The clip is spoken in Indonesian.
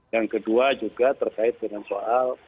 yang kedua juga terkait dengan soal